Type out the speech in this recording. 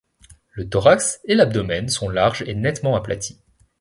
Le thorax et l'abdomen sont larges et nettement aplatis.